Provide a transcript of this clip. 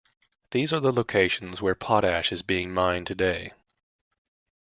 These are the locations where potash is being mined today.